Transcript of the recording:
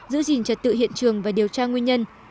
giữ gìn trật tự hiện trường và điều tra nguyên nhân